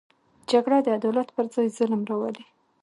جګړه د عدالت پر ځای ظلم راولي